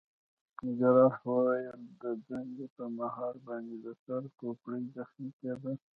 جراح وویل: د دندې پر مهال باندي د سر د کوپړۍ زخمي کېدل.